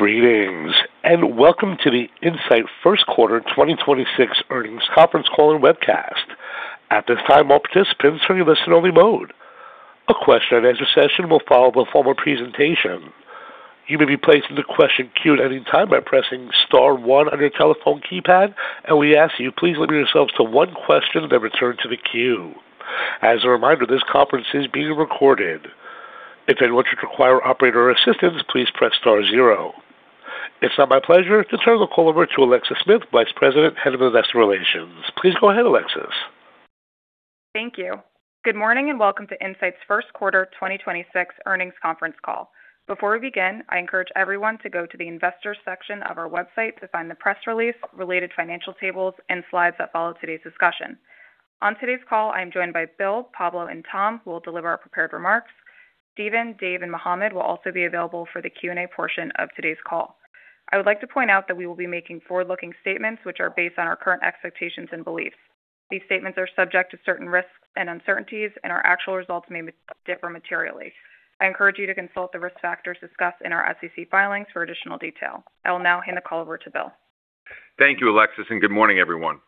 Greetings, and welcome to the Incyte Q1 2026 earnings conference call and webcast. At this time, all participants are in listen-only mode. A Q&A session will follow the formal presentation. You may be placed in the question queue at any time by pressing star one on your telephone keypad, and we ask that you please limit yourselves to one question, then return to the queue. As a reminder, this conference is being recorded. If at any point you require operator assistance, please press star zero. It's now my pleasure to turn the call over to Alexis Smith, Vice President, Head of Investor Relations. Please go ahead, Alexis. Thank you. Good morning. Welcome to Incyte's Q1 2026 earnings conference call. Before we begin, I encourage everyone to go to the investors section of our website to find the press release, related financial tables, and slides that follow today's discussion. On today's call, I am joined by Bill, Pablo, and Tom, who will deliver our prepared remarks. Stephen, Dave, and Mohamed will also be available for the Q&A portion of today's call. I would like to point out that we will be making forward-looking statements which are based on our current expectations and beliefs. These statements are subject to certain risks and uncertainties. Our actual results may differ materially. I encourage you to consult the risk factors discussed in our SEC filings for additional detail. I will now hand the call over to Bill. Thank you, Alexis, and good morning, everyone.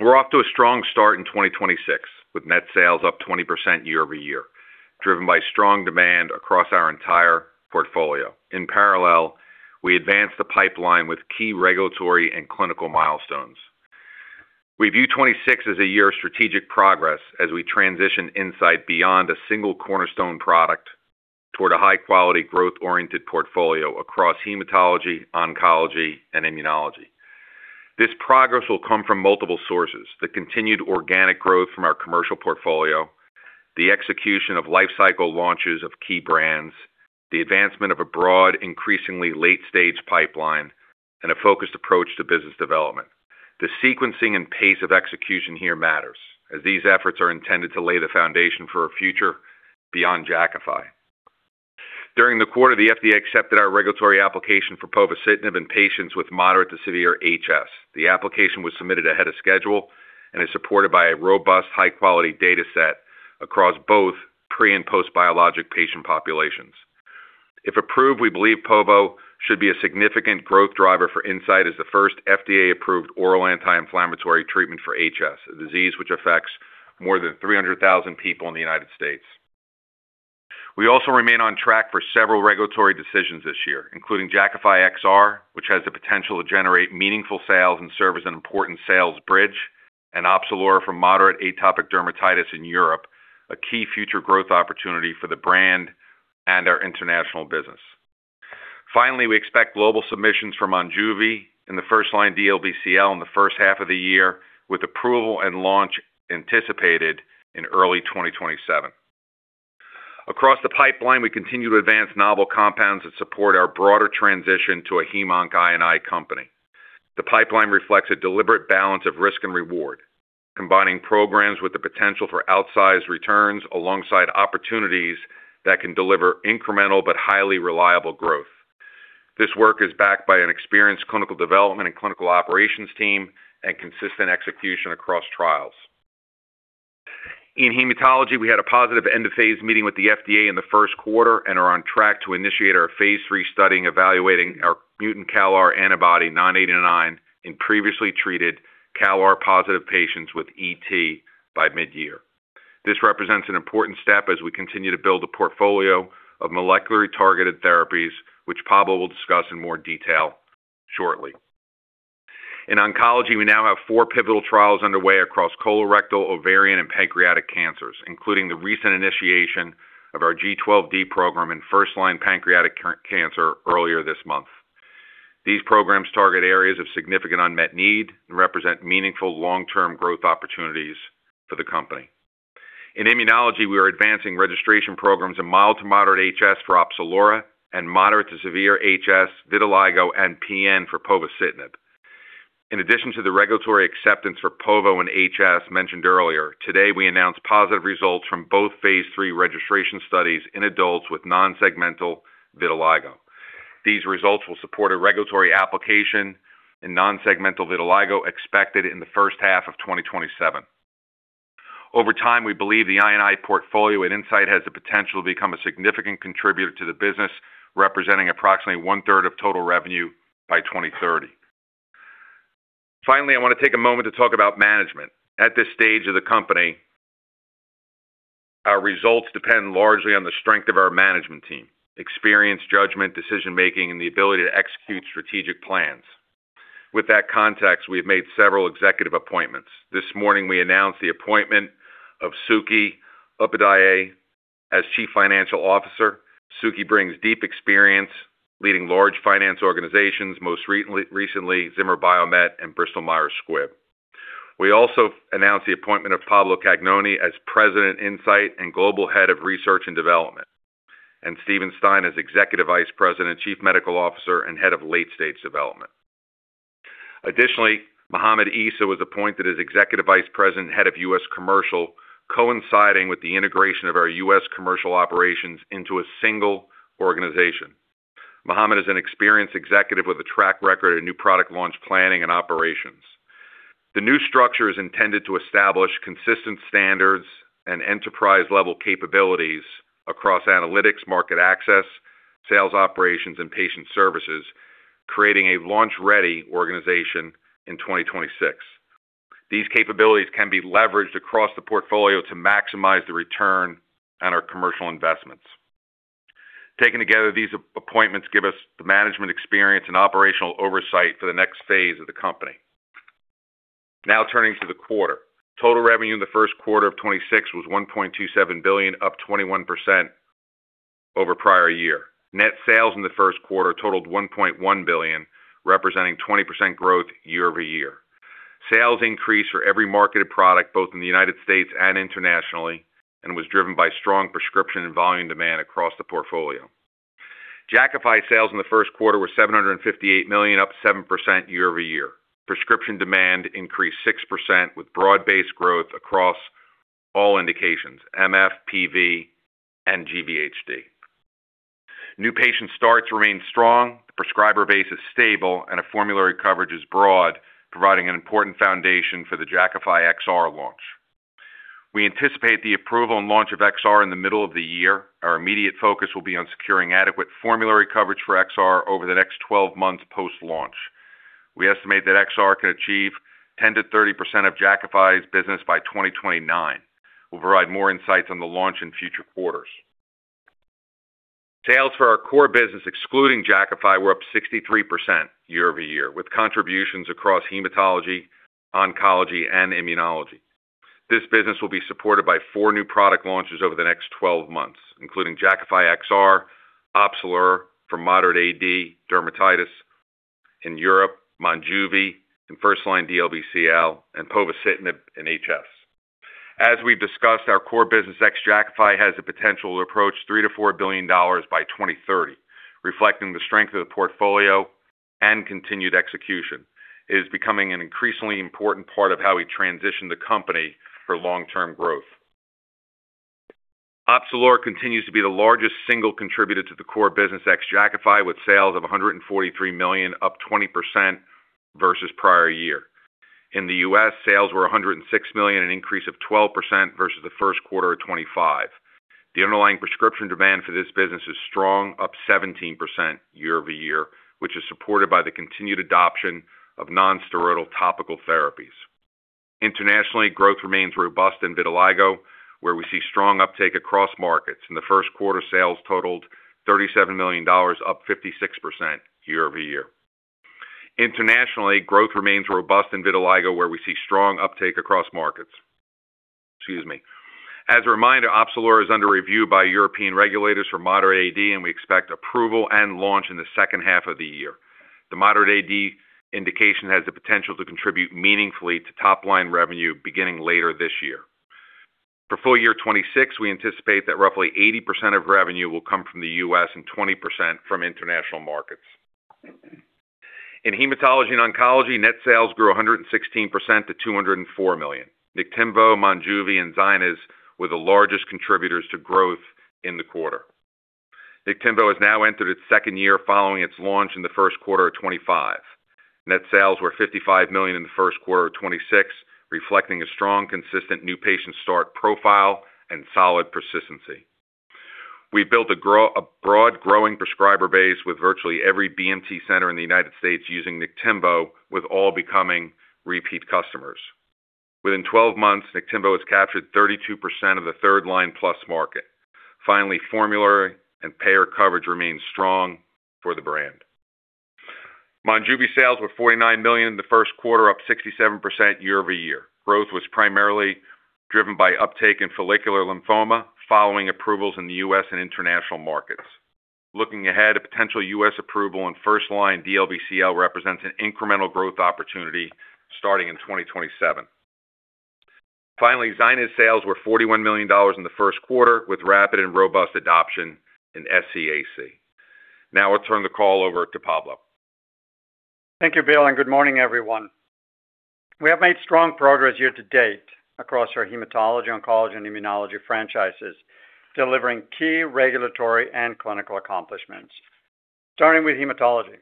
We're off to a strong start in 2026, with net sales up 20% year-over-year, driven by strong demand across our entire portfolio. In parallel, we advanced the pipeline with key regulatory and clinical milestones. We view 2026 as a year of strategic progress as we transition Incyte beyond a single cornerstone product toward a high-quality, growth-oriented portfolio across hematology, oncology, and immunology. This progress will come from multiple sources. The continued organic growth from our commercial portfolio, the execution of life cycle launches of key brands, the advancement of a broad, increasingly late-stage pipeline, and a focused approach to business development. The sequencing and pace of execution here matters, as these efforts are intended to lay the foundation for a future beyond Jakafi. During the quarter, the FDA accepted our regulatory application for povorcitinib in patients with moderate to severe HS. The application was submitted ahead of schedule and is supported by a robust, high-quality data set across both pre and post-biologic patient populations. If approved, we believe povo should be a significant growth driver for Incyte as the first FDA-approved oral anti-inflammatory treatment for HS, a disease which affects more than 300,000 people in the United States. We also remain on track for several regulatory decisions this year, including Jakafi XR, which has the potential to generate meaningful sales and serve as an important sales bridge and Opzelura for moderate atopic dermatitis in Europe, a key future growth opportunity for the brand and our international business. Finally, we expect global submissions from MONJUVI in first-line DLBCL in the first half of the year, with approval and launch anticipated in early 2027. Across the pipeline, we continue to advance novel compounds that support our broader transition to a hem-onc INI company. The pipeline reflects a deliberate balance of risk and reward, combining programs with the potential for outsized returns alongside opportunities that can deliver incremental but highly reliable growth. This work is backed by an experienced clinical development and clinical operations team and consistent execution across trials. In hematology, we had a positive end-of-phase meeting with the FDA in the Q1 and are on track to initiate our phase III study evaluating our mutant CALR antibody INCA033989 in previously treated CALR-positive patients with ET by mid-year. This represents an important step as we continue to build a portfolio of molecularly targeted therapies, which Pablo will discuss in more detail shortly. In oncology, we now have four pivotal trials underway across colorectal, ovarian, and pancreatic cancers, including the recent initiation of our G12D program in first-line pancreatic cancer earlier this month. These programs target areas of significant unmet need and represent meaningful long-term growth opportunities for the company. In immunology, we are advancing registration programs in mild to moderate HS for Opzelura and moderate to severe HS, vitiligo, and PN for povorcitinib. In addition to the regulatory acceptance for povo and HS mentioned earlier, today we announced positive results from both phase III registration studies in adults with non-segmental vitiligo. These results will support a regulatory application in non-segmental vitiligo expected in the first half of 2027. Over time, we believe the INI portfolio at Incyte has the potential to become a significant contributor to the business, representing approximately 1/3 of total revenue by 2030. Finally, I want to take a moment to talk about management. At this stage of the company, our results depend largely on the strength of our management team, experience, judgment, decision-making, and the ability to execute strategic plans. With that context, we have made several executive appointments. This morning, we announced the appointment of Suketu Upadhyay as Chief Financial Officer. Suketu brings deep experience leading large finance organizations, most recently, Zimmer Biomet and Bristol-Myers Squibb. We also announced the appointment of Pablo J. Cagnoni as President Incyte and Global Head of Research and Development, and Steven Stein as Executive Vice President, Chief Medical Officer, and Head of Late-stage Development. Additionally, Mohamed Issa was appointed as Executive Vice President, Head of U.S. Commercial, coinciding with the integration of our U.S. commercial operations into a single organization. Mohamed is an experienced executive with a track record in new product launch planning and operations. The new structure is intended to establish consistent standards and enterprise-level capabilities across analytics, market access, sales operations, and patient services, creating a launch-ready organization in 2026. These capabilities can be leveraged across the portfolio to maximize the return on our commercial investments. Taken together, these appointments give us the management experience and operational oversight for the next phase of the company. Turning to the quarter. Total revenue in the Q1 of 2026 was $1.27 billion, up 21% over prior year. Net sales in the Q1 totaled $1.1 billion, representing 20% growth year-over-year. Sales increased for every marketed product, both in the United Stats and internationally, and was driven by strong prescription and volume demand across the portfolio. Jakafi sales in the Q1 were $758 million, up 7% year-over-year. Prescription demand increased 6%, with broad-based growth across all indications, MF, PV, and GVHD. New patient starts remain strong, the prescriber base is stable, and a formulary coverage is broad, providing an important foundation for the Jakafi XR launch. We anticipate the approval and launch of XR in the middle of the year. Our immediate focus will be on securing adequate formulary coverage for XR over the next 12 months post-launch. We estimate that XR can achieve 10%-30% of Jakafi's business by 2029. We'll provide more insights on the launch in future quarters. Sales for our core business, excluding Jakafi, were up 63% year-over-year, with contributions across hematology, oncology, and immunology. This business will be supported by four new product launches over the next 12 months, including Jakafi XR, Opzelura for moderate AD, dermatitis in Europe, MONJUVI in first-line DLBCL, and povorcitinib in HS. As we've discussed, our core business ex-Jakafi has the potential to approach $3 billion-$4 billion by 2030, reflecting the strength of the portfolio and continued execution. It is becoming an increasingly important part of how we transition the company for long-term growth. Opzelura continues to be the largest single contributor to the core business ex-Jakafi, with sales of $143 million, up 20% versus prior year. In the U.S., sales were $106 million, an increase of 12% versus the Q1 of 2025. The underlying prescription demand for this business is strong, up 17% year-over-year, which is supported by the continued adoption of non-steroidal topical therapies. Internationally, growth remains robust in vitiligo, where we see strong uptake across markets. In the Q1, sales totaled $37 million, up 56% year-over-year. Internationally, growth remains robust in vitiligo, where we see strong uptake across markets. Excuse me. As a reminder, Opzelura is under review by European regulators for moderate AD, and we expect approval and launch in the second half of the year. The moderate AD indication has the potential to contribute meaningfully to top-line revenue beginning later this year. For full year 2026, we anticipate that roughly 80% of revenue will come from the U.S. and 20% from international markets. In hematology and oncology, net sales grew 116% to $204 million. Niktimvo, MONJUVI, and ZYNYZ were the largest contributors to growth in the quarter. Niktimvo has now entered its second year following its launch in the Q1 of 2025. Net sales were $55 million in the Q1 of 2026, reflecting a strong, consistent new patient start profile and solid persistency. We built a broad, growing prescriber base with virtually every BMT center in the U.S. using Niktimvo, with all becoming repeat customers. Within 12 months, Niktimvo has captured 32% of the third line plus market. Finally, formulary and payer coverage remains strong for the brand. MONJUVI sales were $49 million in the Q1, up 67% year-over-year. Growth was primarily driven by uptake in follicular lymphoma following approvals in the U.S. and international markets. Looking ahead, a potential U.S. approval in first-line DLBCL represents an incremental growth opportunity starting in 2027. Finally, ZYNYZ sales were $41 million in the Q1, with rapid and robust adoption in SCAC. Now I'll turn the call over to Pablo. Thank you, Bill, and good morning, everyone. We have made strong progress year-to-date across our hematology, oncology, and immunology franchises, delivering key regulatory and clinical accomplishments. Starting with hematology.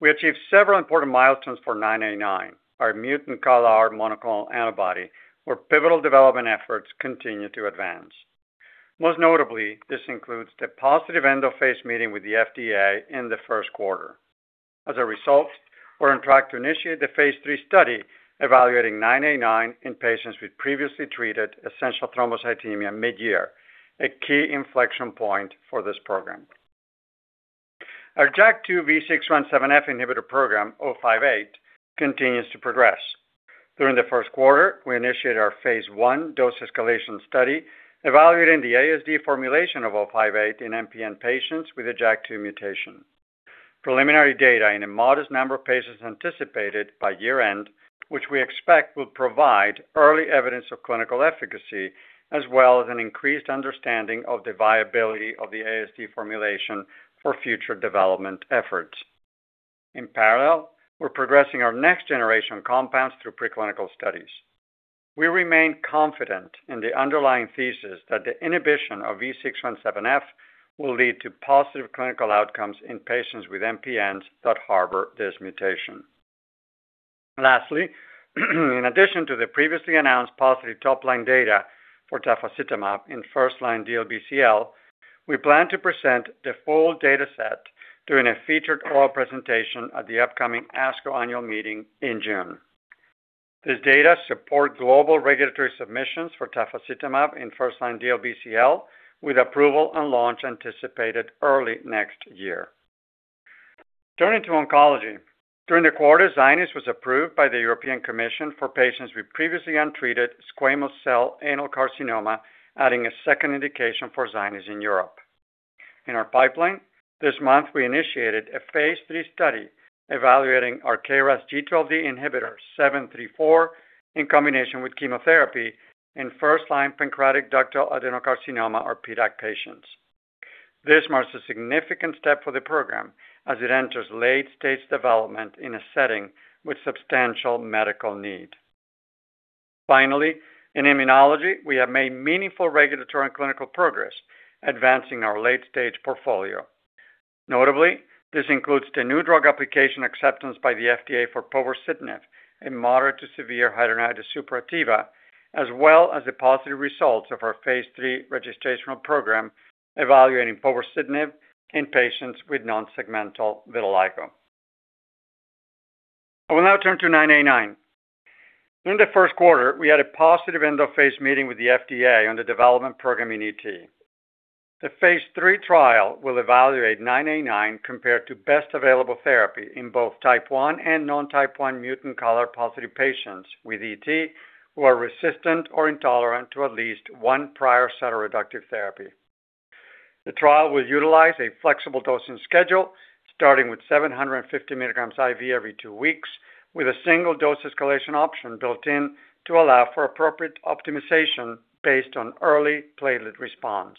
We achieved several important milestones for INCA033989, our mutant CALR monoclonal antibody, where pivotal development efforts continue to advance. Most notably, this includes the positive end-of-phase meeting with the FDA in the Q1. As a result, we're on track to initiate the phase III study evaluating INCA03398 in patients with previously treated essential thrombocythemia mid-year, a key inflection point for this program. Our JAK2V617F inhibitor program, oh INCB117588, continues to progress. During the Q1, we initiated our phase I dose escalation study evaluating the ASD formulation of oh INCB117588 in MPN patients with a JAK2 mutation. Preliminary data in a modest number of patients anticipated by year-end, which we expect will provide early evidence of clinical efficacy as well as an increased understanding of the viability of the ASD formulation for future development efforts. In parallel, we're progressing our next generation compounds through preclinical studies. We remain confident in the underlying thesis that the inhibition of V617F will lead to positive clinical outcomes in patients with MPNs that harbor this mutation. Lastly, in addition to the previously announced positive top-line data for tafasitamab in first-line DLBCL, we plan to present the full data set during a featured oral presentation at the upcoming ASCO annual meeting in June. This data support global regulatory submissions for tafasitamab in first-line DLBCL, with approval and launch anticipated early next year. Turning to oncology, during the quarter, ZYNYZ was approved by the European Commission for patients with previously untreated squamous cell anal carcinoma, adding a second indication for ZYNYZ in Europe. In our pipeline, this month we initiated a phase III study evaluating our KRAS G12D inhibitor INCB161734 in combination with chemotherapy in first-line pancreatic ductal adenocarcinoma or PDAC patients. This marks a significant step for the program as it enters late-stage development in a setting with substantial medical need. Finally, in immunology, we have made meaningful regulatory and clinical progress advancing our late-stage portfolio. Notably, this includes the new drug application acceptance by the FDA for povorcitinib in moderate to severe hidradenitis suppurativa, as well as the positive results of our phase III registrational program evaluating povorcitinib in patients with nonsegmental vitiligo. I will now turn to INCA033989. In the Q1, we had a positive end-of-phase meeting with the FDA on the development program in ET. The phase III trial will evaluate INCA033989 compared to best available therapy in both type one and non-type one mutant CALR-positive patients with ET who are resistant or intolerant to at least one prior cytoreductive therapy. The trial will utilize a flexible dosing schedule, starting with 750 mg IV every two weeks, with a single dose escalation option built in to allow for appropriate optimization based on early platelet response.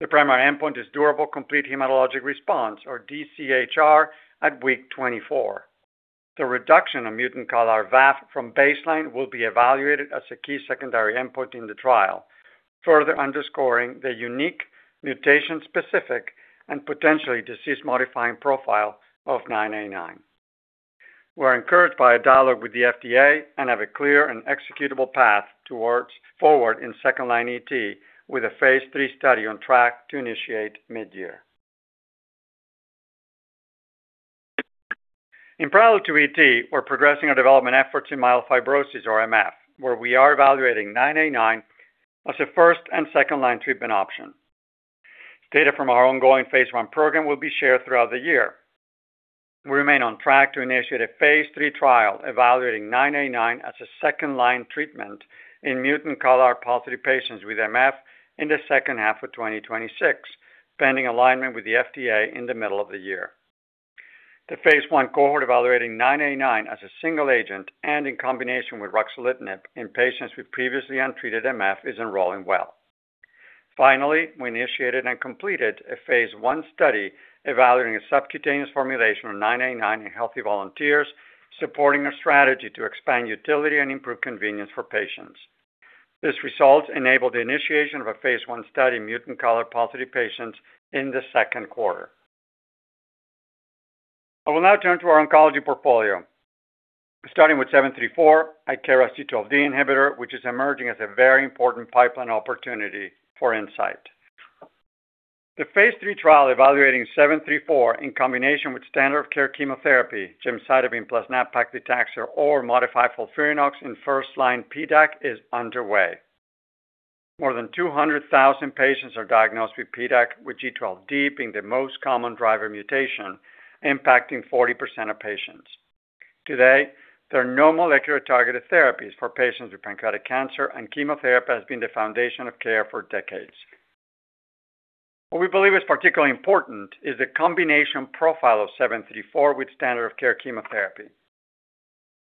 The primary endpoint is durable complete hematologic response, or DCHR, at week 24. The reduction of mutant CALR VAF from baseline will be evaluated as a key secondary endpoint in the trial, further underscoring the unique mutation-specific and potentially disease-modifying profile of INCA033989. We're encouraged by a dialogue with the FDA and have a clear and executable path towards forward in second-line ET with a phase III study on track to initiate mid-year. In parallel to ET, we're progressing our development efforts in myelofibrosis, or MF, where we are evaluating INCA033989 as a first and second-line treatment option. Data from our ongoing phase I program will be shared throughout the year. We remain on track to initiate a phase III trial evaluating INCA033989 as a second-line treatment in mutant CALR-positive patients with MF in the second half of 2026, pending alignment with the FDA in the middle of the year. The phase I cohort evaluating nine-eight-nine as a single agent and in combination with ruxolitinib in patients with previously untreated MF is enrolling well. We initiated and completed a phase I study evaluating a subcutaneous formulation of INCA033989 in healthy volunteers, supporting a strategy to expand utility and improve convenience for patients. This result enabled the initiation of a phase I study in mutant CALR-positive patients in the Q2. I will now turn to our oncology portfolio. Starting with INCB161734, a KRAS G12D inhibitor, which is emerging as a very important pipeline opportunity for Incyte. The phase III trial evaluating INCB161734 in combination with standard of care chemotherapy, gemcitabine plus nab-paclitaxel or modified FOLFIRINOX in first-line PDAC, is underway. More than 200,000 patients are diagnosed with PDAC, with G12D being the most common driver mutation, impacting 40% of patients. Today, there are no molecular-targeted therapies for patients with pancreatic cancer, and chemotherapy has been the foundation of care for decades. What we believe is particularly important is the combination profile of INCB161734 with standard of care chemotherapy.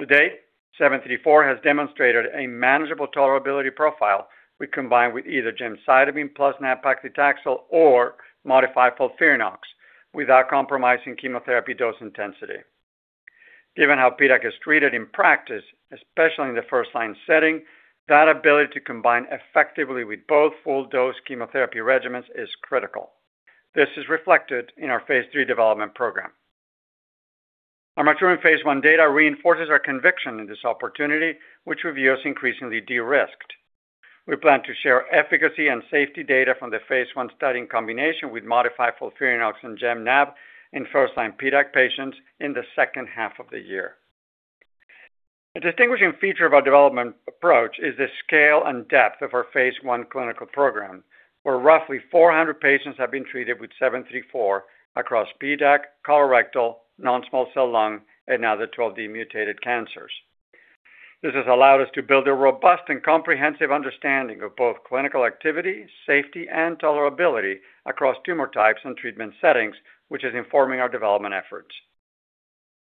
To date, INCB161734 has demonstrated a manageable tolerability profile when combined with either gemcitabine plus nab-paclitaxel or modified FOLFIRINOX without compromising chemotherapy dose intensity. Given how PDAC is treated in practice, especially in the first-line setting, that ability to combine effectively with both full-dose chemotherapy regimens is critical. This is reflected in our phase III development program. Our maturing phase I data reinforces our conviction in this opportunity, which reviews increasingly de-risked. We plan to share efficacy and safety data from the phase I study in combination with modified FOLFIRINOX and Gemnab in first-line PDAC patients in the second half of the year. A distinguishing feature of our development approach is the scale and depth of our phase I clinical program, where roughly 400 patients have been treated with INCB161734 across PDAC, colorectal, non-small cell lung, and now the 12D mutated cancers. This has allowed us to build a robust and comprehensive understanding of both clinical activity, safety, and tolerability across tumor types and treatment settings, which is informing our development efforts.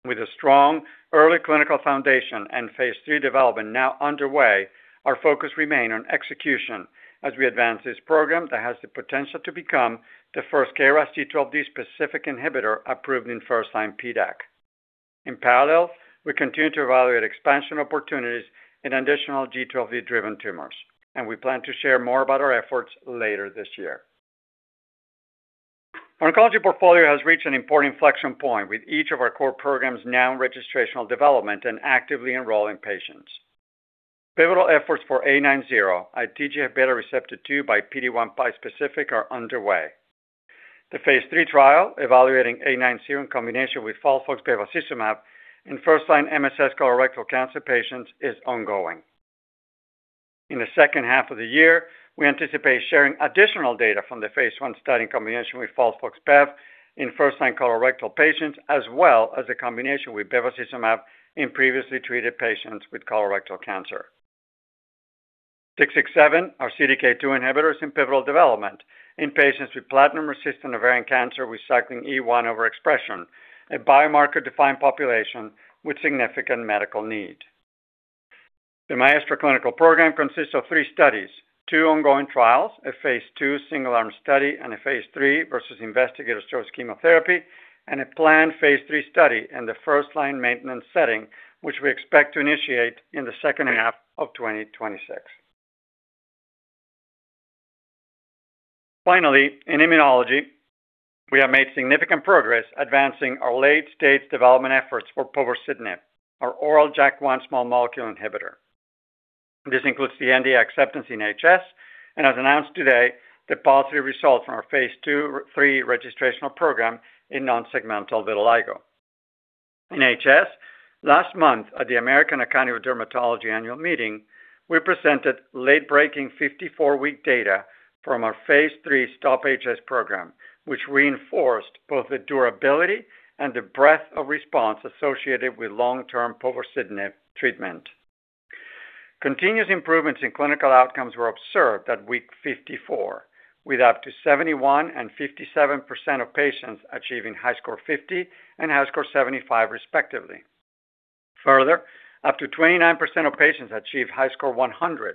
With a strong early clinical foundation and phase III development now underway, our focus remain on execution as we advance this program that has the potential to become the first KRAS G12D specific inhibitor approved in first-line PDAC. In parallel, we continue to evaluate expansion opportunities in additional G12V-driven tumors, and we plan to share more about our efforts later this year. Oncology portfolio has reached an important inflection point with each of our core programs now in registrational development and actively enrolling patients. Pivotal efforts for INCA33890, a TGF-beta receptor two by PD-1-specific, are underway. The phase III trial evaluating INCA33890 in combination with FOLFOX bevacizumab in first-line MSS colorectal cancer patients is ongoing. In the second half of the year, we anticipate sharing additional data from the phase I study in combination with FOLFOX bev in first-line colorectal patients, as well as a combination with bevacizumab in previously treated patients with colorectal cancer. INCB123667, our CDK2 inhibitor, is in pivotal development in patients with platinum-resistant ovarian cancer cyclin E1 overexpression, a biomarker-defined population with significant medical need. The MAESTRO clinical program consists of three studies, two ongoing trials, a phase II single-arm study and a phase III versus investigator-chosen chemotherapy, and a planned phase III study in the first-line maintenance setting, which we expect to initiate in the second half of 2026. Finally, in immunology, we have made significant progress advancing our late-stage development efforts for povorcitinib, our oral JAK1 small molecule inhibitor. This includes the NDA acceptance in HS and, as announced today, the positive result from our phase II/III registrational program in nonsegmental vitiligo. In HS, last month at the American Academy of Dermatology annual meeting, we presented late-breaking 54-week data from our phase III STOP-HS program, which reinforced both the durability and the breadth of response associated with long-term povorcitinib treatment. Continuous improvements in clinical outcomes were observed at week 54, with up to 71% and 57% of patients achieving HiSCR50 and HiSCR75 respectively. Up to 29% of patients achieved HiSCR100,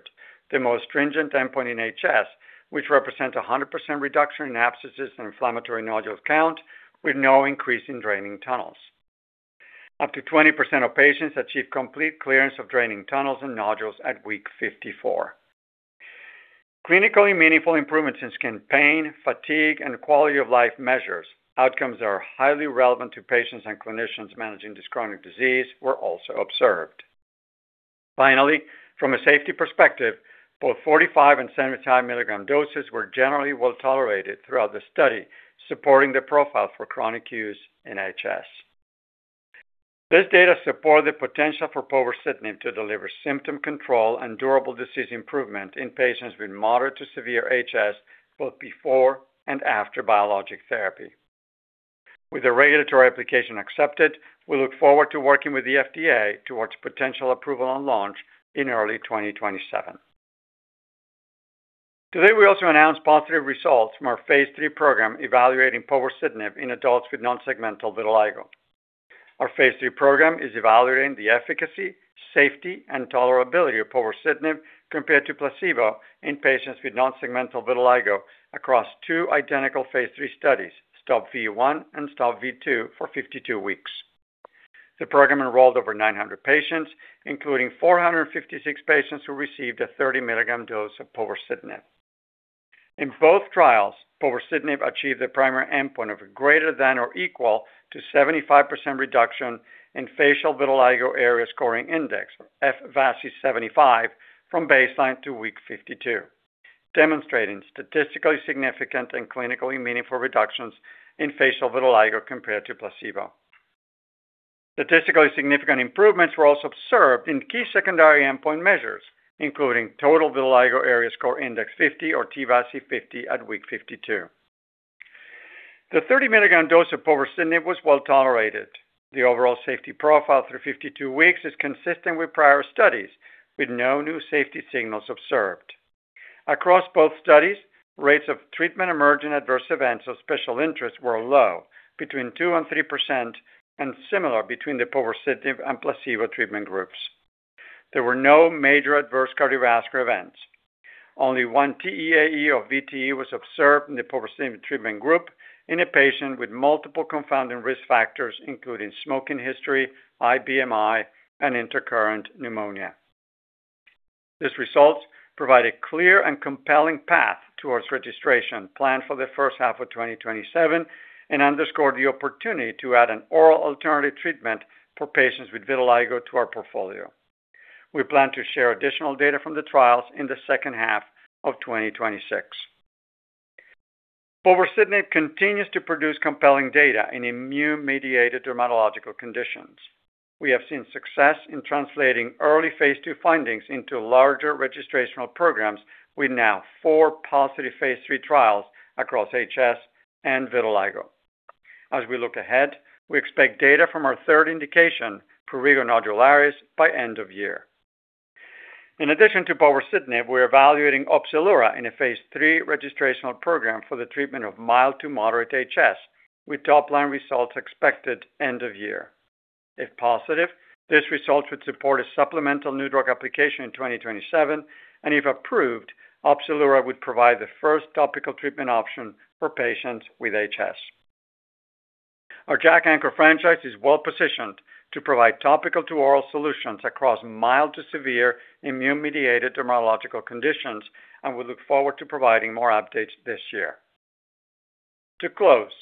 the most stringent endpoint in HS, which represents a 100% reduction in abscesses and inflammatory nodules count with no increase in draining tunnels. Up to 20% of patients achieved complete clearance of draining tunnels and nodules at week 54. Clinically meaningful improvements in skin pain, fatigue, and quality of life measures, outcomes that are highly relevant to patients and clinicians managing this chronic disease, were also observed. From a safety perspective, both 45 mg and 75 mg doses were generally well-tolerated throughout the study, supporting the profile for chronic use in HS. This data support the potential for povorcitinib to deliver symptom control and durable disease improvement in patients with moderate to severe HS both before and after biologic therapy. With the regulatory application accepted, we look forward to working with the FDA towards potential approval and launch in early 2027. Today we also announced positive results from our phase III program evaluating povorcitinib in adults with nonsegmental vitiligo. Our phase III program is evaluating the efficacy, safety, and tolerability of povorcitinib compared to placebo in patients with nonsegmental vitiligo across two identical phase III studies, STOP-V1 and STOP-V2 for 52 weeks. The program enrolled over 900 patients, including 456 patients who received a 30 mg dose of povorcitinib. In both trials, povorcitinib achieved a primary endpoint of a greater than or equal to 75% reduction in Facial Vitiligo Area Scoring Index, F-VASI 75, from baseline to week 52, demonstrating statistically significant and clinically meaningful reductions in facial vitiligo compared to placebo. Statistically significant improvements were also observed in key secondary endpoint measures, including Total Vitiligo Area Scoring Index 50 or T-VASI 50 at week 52. The 30 mg dose of povorcitinib was well-tolerated. The overall safety profile through 52 weeks is consistent with prior studies, with no new safety signals observed. Across both studies, rates of treatment-emergent adverse events of special interest were low, between 2% and 3%, and similar between the povorcitinib and placebo treatment groups. There were no major adverse cardiovascular events. Only 1 TEAE of VTE was observed in the povorcitinib treatment group in a patient with multiple confounding risk factors, including smoking history, high BMI, and intercurrent pneumonia. These results provide a clear and compelling path towards registration planned for the first half of 2027 and underscore the opportunity to add an oral alternative treatment for patients with vitiligo to our portfolio. We plan to share additional data from the trials in the second half of 2026. Povorcitinib continues to produce compelling data in immune-mediated dermatological conditions. We have seen success in translating early phase II findings into larger registrational programs with now four positive phase III trials across HS and vitiligo. As we look ahead, we expect data from our third indication, prurigo nodularis, by end of year. In addition to povorcitinib, we're evaluating Opzelura in a phase III registrational program for the treatment of mild to moderate HS, with top-line results expected end of year. If positive, this result would support a supplemental new drug application in 2027. If approved, Opzelura would provide the first topical treatment option for patients with HS. Our JAK anchor franchise is well-positioned to provide topical to oral solutions across mild to severe immune-mediated dermatological conditions, and we look forward to providing more updates this year. To close,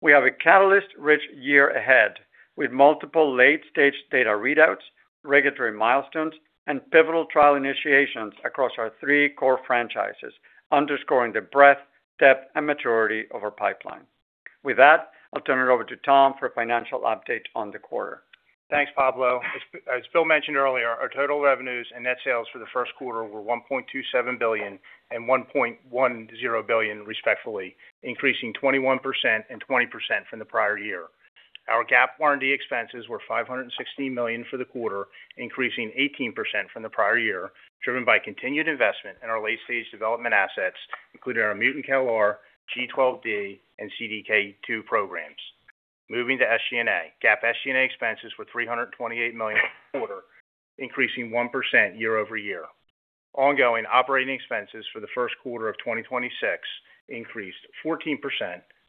we have a catalyst-rich year ahead, with multiple late-stage data readouts, regulatory milestones, and pivotal trial initiations across our three core franchises, underscoring the breadth, depth, and maturity of our pipeline. With that, I'll turn it over to Tom for a financial update on the quarter. Thanks, Pablo. As Bill mentioned earlier, our total revenues and net sales for the Q1 were $1.27 billion-$1.10 billion respectively, increasing 21% and 20% from the prior year. Our GAAP R&D expenses were $516 million for the quarter, increasing 18% from the prior year, driven by continued investment in our late-stage development assets, including our mutant CALR, G12D, and CDK2 programs. Moving to SG&A. GAAP SG&A expenses were $328 million for the quarter, increasing 1% year-over-year. Ongoing operating expenses for the Q1 of 2026 increased 14%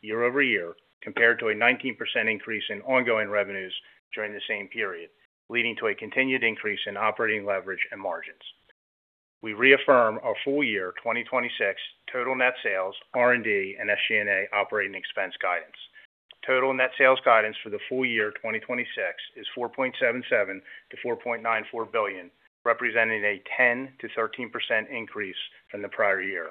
year-over-year, compared to a 19% increase in ongoing revenues during the same period, leading to a continued increase in operating leverage and margins. We reaffirm our full year 2026 total net sales, R&D, and SG&A operating expense guidance. Total net sales guidance for the full year 2026 is $4.77 billion-$4.94 billion, representing a 10%-13% increase from the prior year.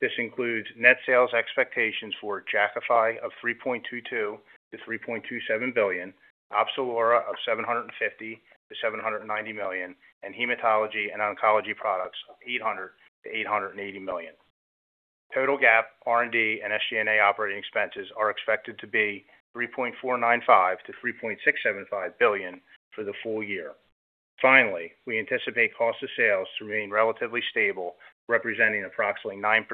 This includes net sales expectations for Jakafi of $3.22 billion-$3.27 billion, Opzelura of $750 million-$790 million, and hematology and oncology products of $800 million-$880 million. Total GAAP, R&D, and SG&A operating expenses are expected to be $3.495 billion-$3.675 billion for the full year. Finally, we anticipate cost of sales to remain relatively stable, representing approximately 9%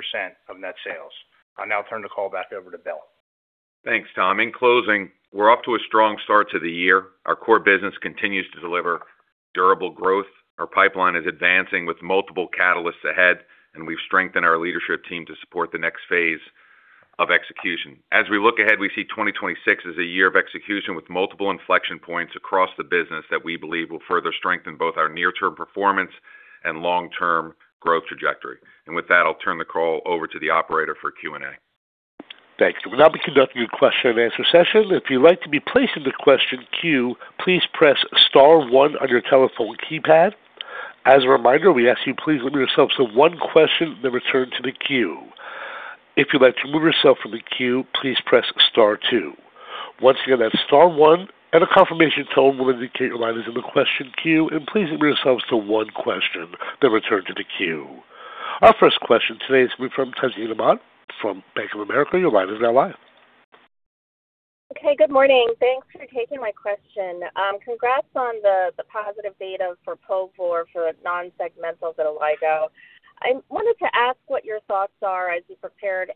of net sales. I'll now turn the call back over to Bill. Thanks, Tom. In closing, we're off to a strong start to the year. Our core business continues to deliver durable growth. Our pipeline is advancing with multiple catalysts ahead. We've strengthened our leadership team to support the next phase of execution. As we look ahead, we see 2026 as a year of execution with multiple inflection points across the business that we believe will further strengthen both our near-term performance and long-term growth trajectory. With that, I'll turn the call over to the operator for Q&A. Thanks. We'll now be conducting a question and answer session. If you'd like to be placed in the question queue, please press star one on your telephone keypad. As a reminder, we ask you please limit yourself to one question, then return to the queue. If you'd like to remove yourself from the queue, please press star two. Once again, that's star one and a confirmation tone will indicate your line is in the question queue, and please limit yourselves to one question, then return to the queue. Our first question today is from Tazeen Ahmad from Bank of America. Your line is now live. Okay, good morning. Thanks for taking my question. Congrats on the positive data for povorcitinib for non-segmental vitiligo. I wanted to ask what your thoughts are as you prepared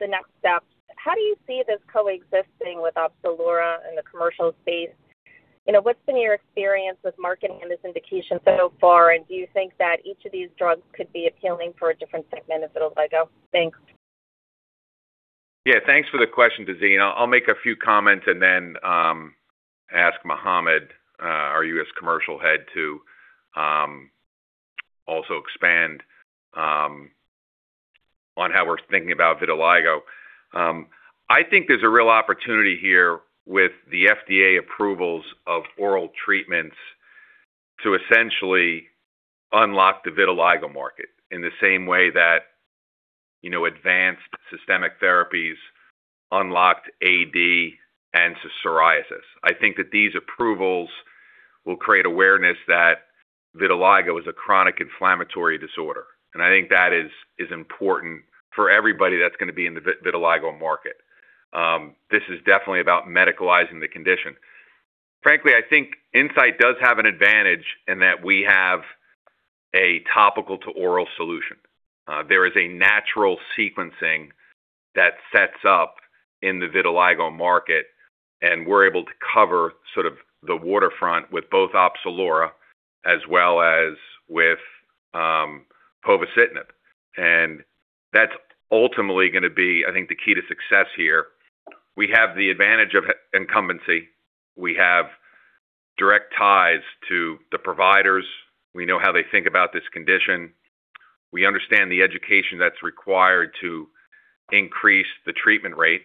the next steps. How do you see this coexisting with Opzelura in the commercial space? You know, what's been your experience with marketing this indication so far? Do you think that each of these drugs could be appealing for a different segment of vitiligo? Thanks. Yeah, thanks for the question, Tazeen. I'll make a few comments and then ask Mohamed Issa, our U.S. Commercial Head, to also expand on how we're thinking about vitiligo. I think there's a real opportunity here with the FDA approvals of oral treatments to essentially unlock the vitiligo market in the same way that, you know, advanced systemic therapies unlocked AD and psoriasis. I think that these approvals will create awareness that vitiligo is a chronic inflammatory disorder, and I think that is important for everybody that's gonna be in the vitiligo market. This is definitely about medicalizing the condition. Frankly, I think Incyte does have an advantage in that we have a topical to oral solution. There is a natural sequencing that sets up in the vitiligo market, and we're able to cover sort of the waterfront with both Opzelura as well as with povorcitinib. And that's ultimately going to be, I think, the key to success here. We have the advantage of incumbency. We have direct ties to the providers. We know how they think about this condition. We understand the education that's required to increase the treatment rate.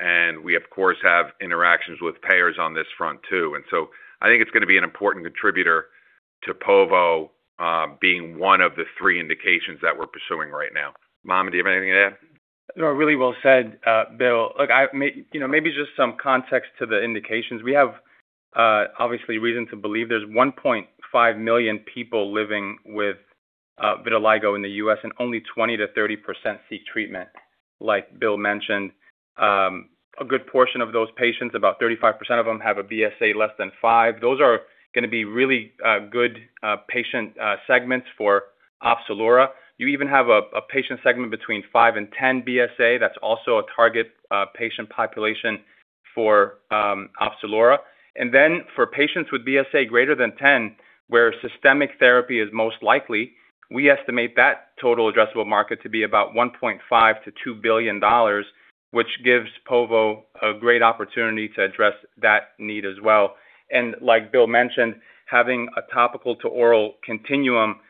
And we of course, have interactions with payers on this front too. And so I think it's going to be an important contributor to povorcitinib being one of the three indications that we're pursuing right now. Mohamed, do you have anything to add? No, really well said, Bill. Look, you know, maybe just some context to the indications. We have, obviously reason to believe there's 1.5 million people living with vitiligo in the U.S., and only 20%-30% seek treatment, like Bill mentioned. A good portion of those patients, about 35% of them, have a BSA less than five. Those are gonna be really good patient segments for Opzelura. You even have a patient segment between five and 10 BSA. That's also a target patient population for Opzelura. Then for patients with BSA greater than 10 Where systemic therapy is most likely, we estimate that total addressable market to be about $1.5 billion-$2 billion, which gives povorcitinib a great opportunity to address that need as well. Like Bill mentioned, having a topical to oral continuum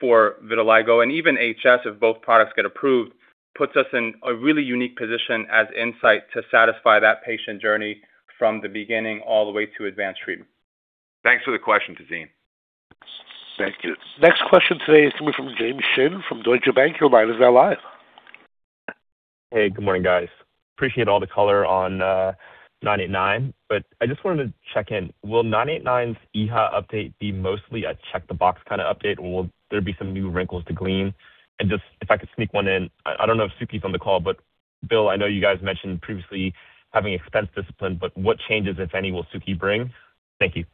for vitiligo and even HS if both products get approved, puts us in a really unique position as Incyte to satisfy that patient journey from the beginning all the way to advanced treatment. Thanks for the question, Tazeen. Thank you. Next question today is coming from James Shin from Deutsche Bank. Your line is now live. Hey, good morning, guys. Appreciate all the color on INCA033989. I just wanted to check in. Will INCA033989 EHA update be mostly a check-the-box kind of update, or will there be some new wrinkles to glean? Just if I could sneak 1 in, I don't know if Suki's on the call, Bill, I know you guys mentioned previously having expense discipline, what changes, if any, will Suki bring? Thank you.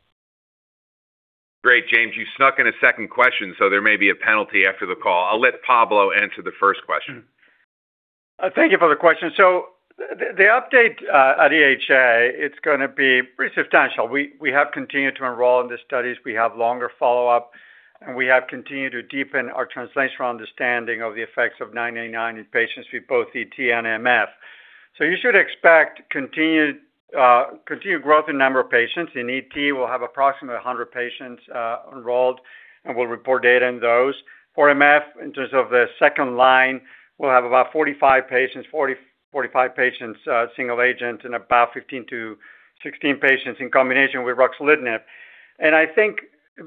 Great, James. You snuck in a second question, so there may be a penalty after the call. I'll let Pablo answer the first question. Thank you for the question. The, the update at EHA, it's gonna be pretty substantial. We have continued to enroll in the studies, we have longer follow-up, and we have continued to deepen our translational understanding of the effects of INCA033989 in patients with both ET and MF. You should expect continued growth in number of patients. In ET, we'll have approximately 100 patients enrolled, and we'll report data in those. For MF, in terms of the second line, we'll have about 45 patients, 40-45 patients, single agent and about 15-16 patients in combination with ruxolitinib. I think,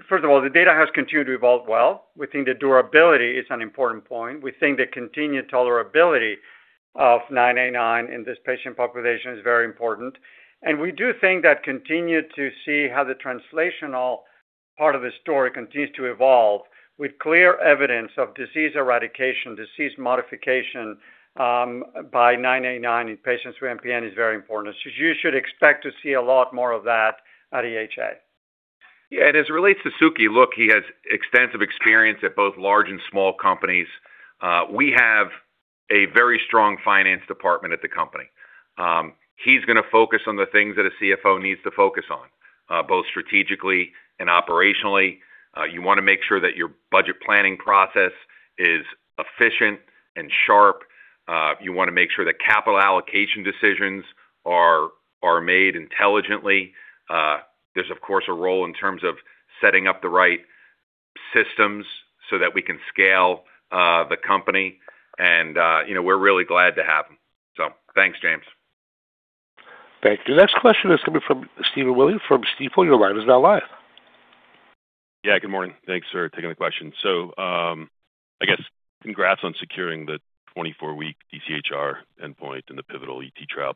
first of all, the data has continued to evolve well. We think the durability is an important point. We think the continued tolerability of INCA033989 in this patient population is very important. We do think that continue to see how the translational part of the story continues to evolve with clear evidence of disease eradication, disease modification, by INCA033989 in patients with MPN is very important. You should expect to see a lot more of that at EHA. Yeah. As it relates to Suki, look, he has extensive experience at both large and small companies. We have a very strong finance department at the company. He's gonna focus on the things that a Chief Financial Officer needs to focus on, both strategically and operationally. You wanna make sure that your budget planning process is efficient and sharp. You wanna make sure that capital allocation decisions are made intelligently. There's of course a role in terms of setting up the right systems so that we can scale the company and, you know, we're really glad to have him. Thanks, James. Thank you. Next question is coming from Stephen Willey from Stifel. Your line is now live. Yeah, good morning. Thanks for taking the question. I guess congrats on securing the 24-week DCHR endpoint in the pivotal ET trial.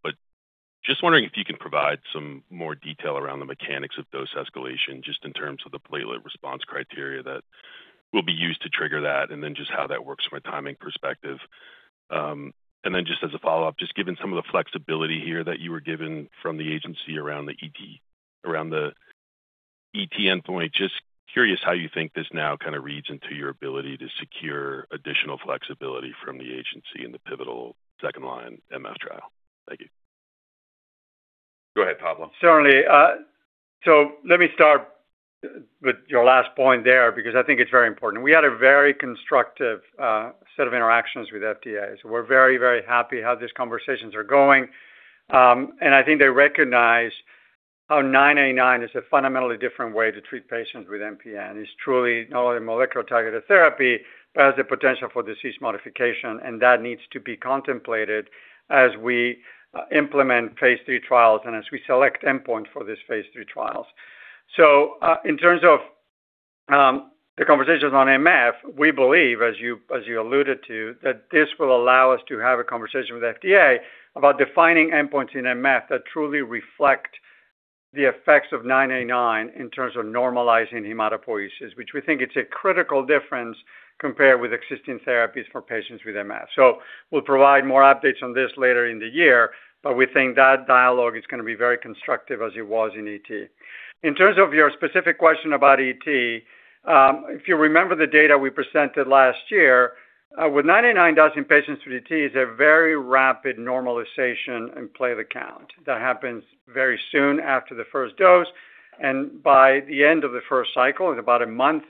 Just wondering if you can provide some more detail around the mechanics of dose escalation, just in terms of the platelet response criteria that will be used to trigger that, and then just how that works from a timing perspective. Just as a follow-up, just given some of the flexibility here that you were given from the agency around the ET endpoint, just curious how you think this now kind of reads into your ability to secure additional flexibility from the agency in the pivotal second line MF trial. Thank you. Go ahead, Pablo. Certainly. Let me start with your last point there, because I think it's very important. We had a very constructive set of interactions with FDA. We're very happy how these conversations are going. I think they recognize how INCA033989 is a fundamentally different way to treat patients with MPN. It's truly not only a molecular targeted therapy, but has the potential for disease modification, and that needs to be contemplated as we implement phase III trials and as we select endpoint for this phase III trials. In terms of the conversations on MF, we believe, as you, as you alluded to, that this will allow us to have a conversation with FDA about defining endpoints in MF that truly reflect the effects of INCA033989 in terms of normalizing hematopoiesis, which we think it's a critical difference compared with existing therapies for patients with MF. We'll provide more updates on this later in the year, but we think that dialogue is going to be very constructive as it was in ET. In terms of your specific question about ET, if you remember the data we presented last year, with INCA033989 dose in patients with ET is a very rapid normalization in platelet count. That happens very soon after the first dose, and by the end of the first cycle, in about a month,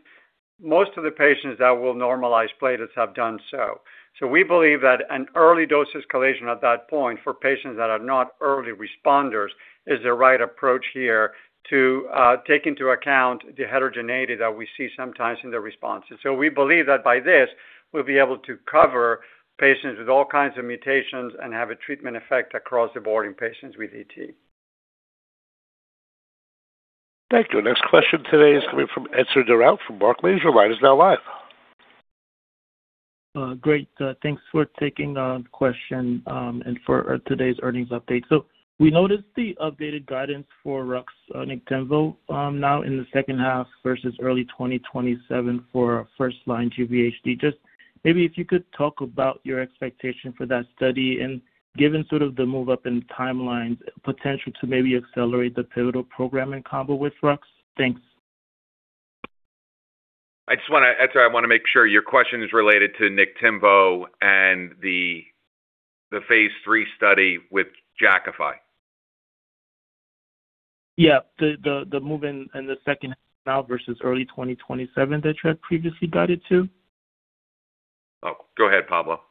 most of the patients that will normalize platelets have done so. We believe that an early dose escalation at that point for patients that are not early responders is the right approach here to take into account the heterogeneity that we see sometimes in their responses. We believe that by this, we'll be able to cover patients with all kinds of mutations and have a treatment effect across the board in patients with ET. Thank you. Next question today is coming from Etzer Darout from Barclays. Your line is now live. Great. Thanks for taking the question and for today's earnings update. We noticed the updated guidance for Ruxolitinib and Niktimvo, now in the second half versus early 2027 for first-line GVHD. Maybe if you could talk about your expectation for that study and given sort of the move up in timelines, potential to maybe accelerate the pivotal program in combo with rux. Thanks. I'm sorry, I wanna make sure your question is related to Niktimvo and the phase III study with Jakafi. Yeah. The move in the second now versus early 2027 that you had previously guided to. Oh, go ahead, Pablo.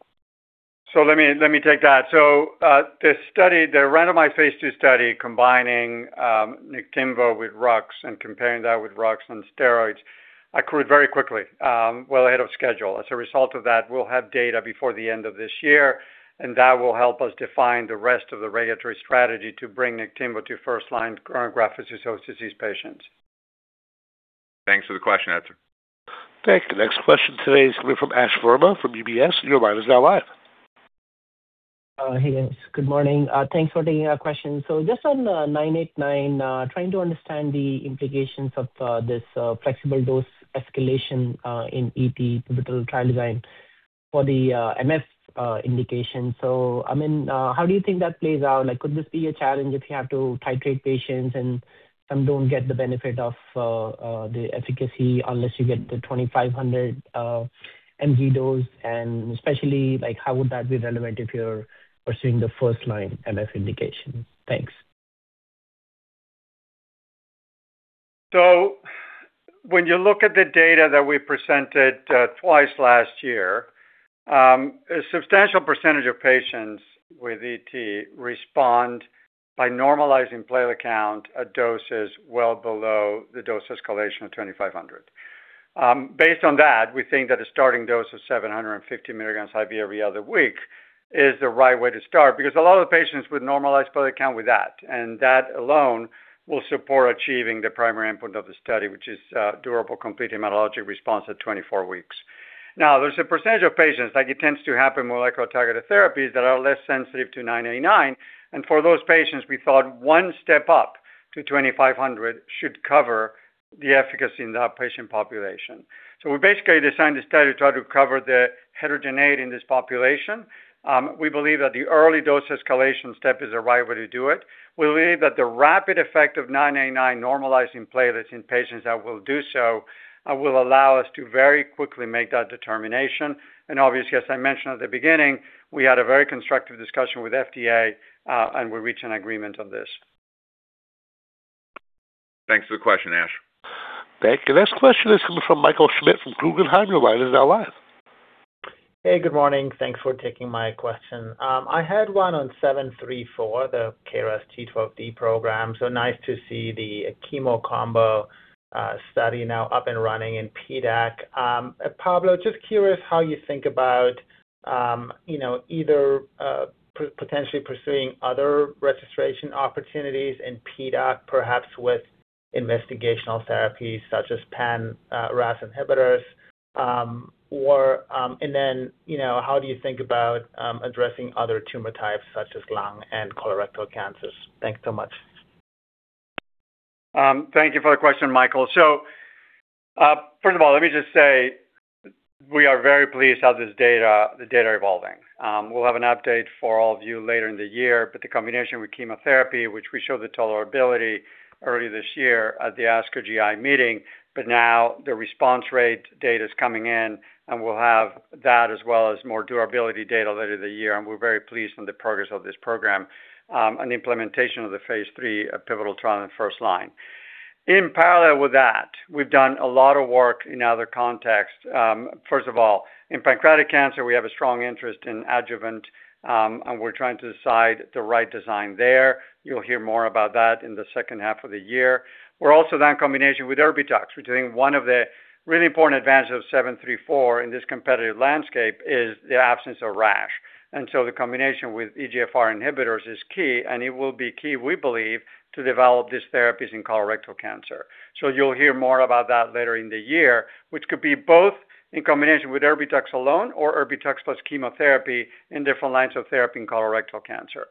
Let me take that. The study, the randomized phase II study combining Niktimvo with rux and comparing that with rux and steroids accrued very quickly, well ahead of schedule. As a result of that, we will have data before the end of this year, and that will help us define the rest of the regulatory strategy to bring Niktimvo to first-line chronic graft-versus-host disease patients. Thanks for the question, Etzer. Thank you. The next question today is coming from Ashwani Verma from UBS. Your line is now live. Hey, guys. Good morning. Thanks for taking our question. Just on INCA033989, trying to understand the implications of this flexible dose escalation in ET pivotal trial design for the MF indication. I mean, how do you think that plays out? Like, could this be a challenge if you have to titrate patients and some don't get the benefit of the efficacy unless you get the 2,500 mg dose? Especially like how would that be relevant if you're pursuing the first-line MF indication? Thanks. When you look at the data that we presented, twice last year, a substantial percentage of patients with ET respond by normalizing platelet count at doses well below the dose escalation of 2,500 mg. Based on that, we think that a starting dose of 750 mg IV every other week is the right way to start because a lot of the patients would normalize platelet count with that, and that alone will support achieving the primary endpoint of the study, which is durable complete hematologic response at 24 weeks. There's a percentage of patients, like it tends to happen with like targeted therapies, that are less sensitive to INCA033989, and for those patients, we thought one step up to 2,500 mg should cover the efficacy in that patient population. We basically designed the study to try to cover the heterogeneity in this population. We believe that the early dose escalation step is the right way to do it. We believe that the rapid effect of INCA033989 normalizing platelets in patients that will do so, will allow us to very quickly make that determination. Obviously, as I mentioned at the beginning, we had a very constructive discussion with FDA, and we reached an agreement on this. Thanks for the question, Ash. Thank you. Next question is coming from Michael Schmidt from Guggenheim. Your line is now live. Hey, good morning. Thanks for taking my question. I had one on INCB161734, the KRAS G12D program, nice to see the chemo combo study now up and running in PDAC. Pablo, just curious how you think about, you know, either potentially pursuing other registration opportunities in PDAC perhaps with investigational therapies such as pan-RAS inhibitors. You know, how do you think about addressing other tumor types such as lung and colorectal cancers? Thanks so much. Thank you for the question, Michael. First of all, let me just say we are very pleased how this data, the data are evolving. We'll have an update for all of you later in the year, the combination with chemotherapy, which we showed the tolerability early this year at the ASCO GI meeting, now the response rate data is coming in, and we'll have that as well as more durability data later in the year. We're very pleased with the progress of this program, and the implementation of the phase III pivotal trial in the first line. In parallel with that, we've done a lot of work in other contexts. First of all, in pancreatic cancer, we have a strong interest in adjuvant, we're trying to decide the right design there. You'll hear more about that in the second half of the year. We're also then combination with ERBITUX. We're doing one of the really important advantages of seven three four in this competitive landscape is the absence of rash. The combination with EGFR inhibitors is key, and it will be key, we believe, to develop these therapies in colorectal cancer. You'll hear more about that later in the year, which could be both in combination with ERBITUX alone or ERBITUX plus chemotherapy in different lines of therapy in colorectal cancer.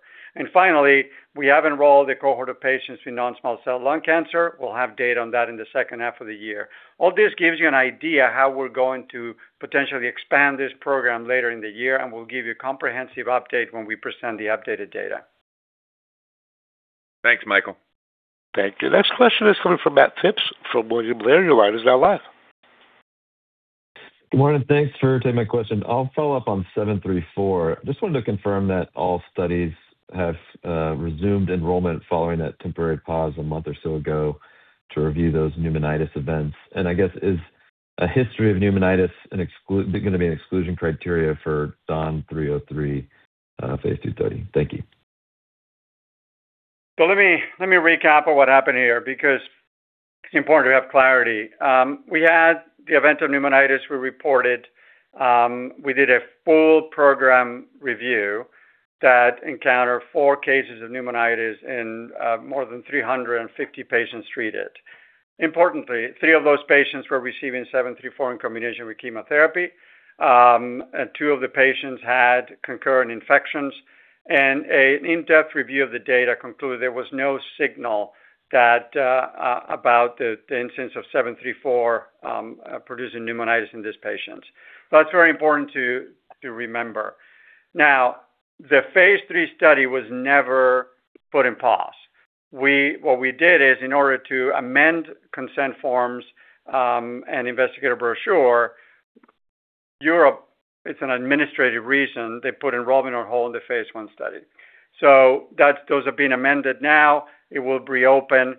Finally, we have enrolled a cohort of patients with non-small cell lung cancer. We'll have data on that in the second half of the year. All this gives you an idea how we're going to potentially expand this program later in the year, and we'll give you a comprehensive update when we present the updated data. Thanks, Michael. Thank you. Next question is coming from Matt Phipps from William Blair. Your line is now live. Good morning. Thanks for taking my question. I'll follow up on INCB161734. Just wanted to confirm that all studies have resumed enrollment following that temporary pause a month or so ago to review those pneumonitis events. I guess, is a history of pneumonitis gonna be an exclusion criteria for INCA033989 phase II study? Thank you. Let me recap of what happened here because it's important to have clarity. We had the event of pneumonitis we reported. We did a full program review that encountered four cases of pneumonitis in more than 350 patients treated. Importantly, three of those patients were receiving seven three four in combination with chemotherapy. And two of the patients had concurrent infections. A in-depth review of the data concluded there was no signal that about the instance of seven three four producing pneumonitis in these patients. That's very important to remember. The phase III study was never put in pause. What we did is in order to amend consent forms and investigator brochure, Europe, it's an administrative reason they put enrollment on hold the phase I study. Those are being amended now. It will reopen.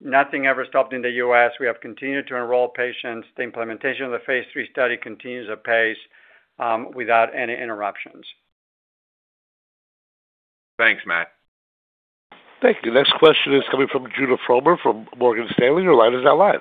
Nothing ever stopped in the U.S. We have continued to enroll patients. The implementation of the phase III study continues apace without any interruptions. Thanks, Matt. Thank you. Next question is coming from Judah Frommer from Morgan Stanley. Your line is now live.